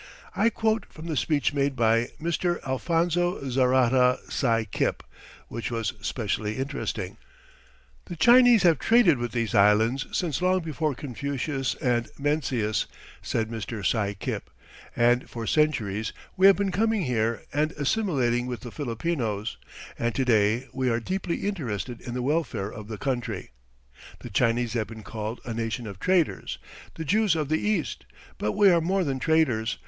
I quote from the speech made by Mr. Alfonso Zarata Sy Cip, which was specially interesting: "The Chinese have traded with these Islands since long before Confucius and Mencius," said Mr. Sy Cip; "and for centuries we have been coming here and assimilating with the Filipinos, and to day we are deeply interested in the welfare of the country. The Chinese have been called a nation of traders, the Jews of the East, but we are more than traders.